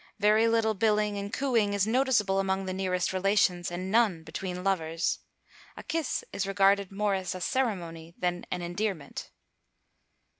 Very little billing and cooing is noticeable among the nearest relations, and none between lovers. A kiss is regarded more as a ceremony than an endearment.